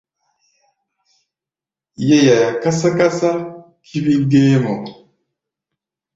Yé yaia kásá-kásá kífí géémɔ.